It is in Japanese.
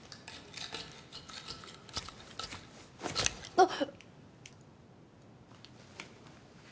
あっ！